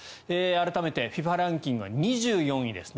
改めてＦＩＦＡランキングは２４位です。